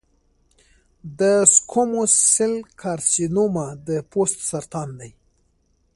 د سکوموس سیل کارسینوما د پوست سرطان دی.